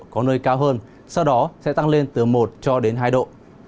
có nơi cao hơn sau đó sẽ tăng lên từ một cho đến hai độ